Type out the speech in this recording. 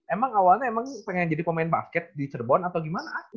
emang awalnya emang pengen jadi pemain basket di cerbon atau gimana